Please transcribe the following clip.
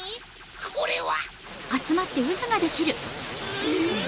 これは！